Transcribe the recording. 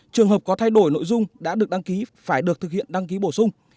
trường hợp có thay đổi nội dung đã được đăng ký phải được thực hiện đăng ký bổ sung